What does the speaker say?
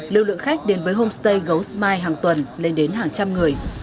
lưu lượng khách đến với homestay ghost mile hàng tuần lên đến hàng trăm người